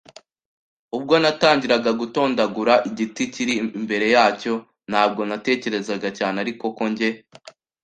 ubwo natangiraga gutondagura igiti kiri imbere yacyo, ntabwo natekerezaga cyane ariko ko njye